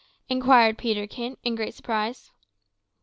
inquired Peterkin, in great surprise.